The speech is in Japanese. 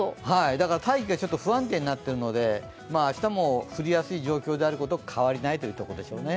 大気がちょっと不安定になっているので、明日は降りやすい状況になっていることは変わりないということですね。